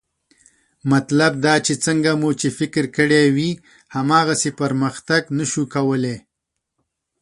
مطلب دا چې څنګه مو چې فکر کړی وي، هماغسې پرمختګ نه شو کولی